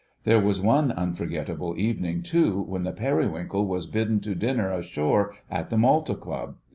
There was one unforgettable evening, too, when the Periwinkle was bidden to dinner ashore at the Malta Club.